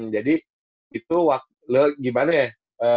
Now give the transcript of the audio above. jadi itu gimana ya